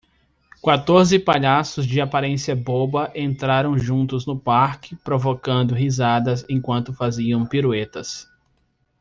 Quatorze palhaços de aparência boba entraram juntos no parque provocando risadas enquanto faziam piruetas.